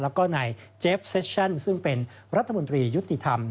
แล้วก็นายเจฟเซชั่นซึ่งเป็นรัฐมนตรียุติธรรม